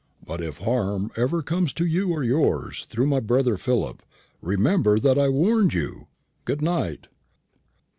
But if harm ever comes to you or yours, through my brother Philip, remember that I warned you. Good night."